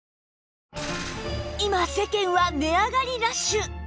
今世間は値上がりラッシュ！